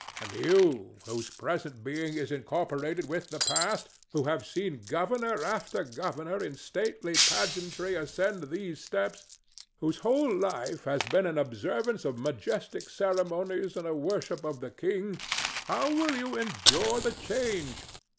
And you, whose present being is incorporated with the past, who have seen governor after governor in stately pageantry ascend these steps, whose whole life has been an observance of majestic ceremonies and a worship of the king,—how will you endure the change?